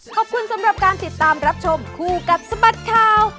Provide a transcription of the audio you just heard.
ขอบคุณสำหรับการติดตามรับชมคู่กับสบัดข่าว